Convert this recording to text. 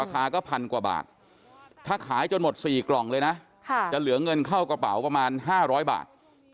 ราคาก็พันกว่าบาทถ้าขายจนหมด๔กล่องเลยนะจะเหลือเงินเข้ากระเป๋าประมาณ๕๐๐บาท